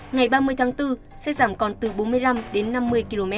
ngày ba mươi tháng bốn sẽ giảm còn từ bốn mươi năm đến năm mươi km